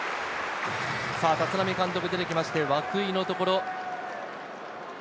立浪監督が出てきまして、涌井のところ。